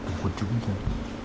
của quân chúng